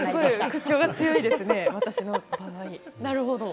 口調が強いですね、私の。